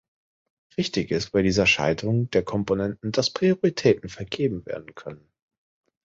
Wichtig ist bei dieser Schaltung der Komponenten, dass Prioritäten vergeben werden können.